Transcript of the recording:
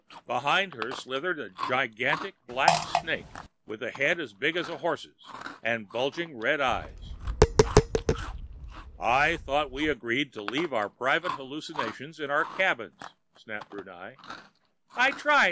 Behind her slithered a gigantic black snake, with a head as big as a horse's, and bulging red eyes. "I thought we agreed to leave our private hallucinations in our cabins," snapped Brunei. "I tried!